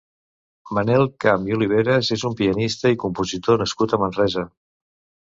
Manel Camp i Oliveras és un pianista i compositor nascut a Manresa.